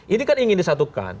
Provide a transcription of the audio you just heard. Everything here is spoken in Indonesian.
ini kan ingin disatukan